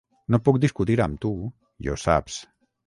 No puc discutir amb tu, i ho saps.